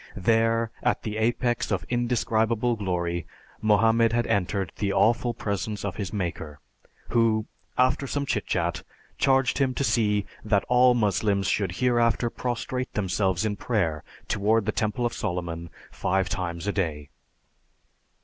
There, at the apex of indescribable glory, Mohammed had entered the awful presence of his Maker, Who, after some chit chat, charged him to see that all Moslems should hereafter prostrate themselves in prayer toward the Temple of Solomon five times a day.